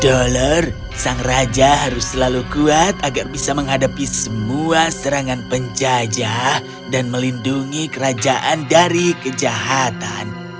dollar sang raja harus selalu kuat agar bisa menghadapi semua serangan penjajah dan melindungi kerajaan dari kejahatan